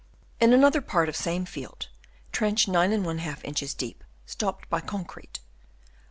In another part of same field, trench 9j inches deep, stopped by concrete